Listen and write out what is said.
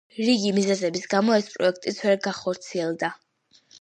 რიგი მიზეზების გამო ეს პროექტიც ვერ გახორციელდა.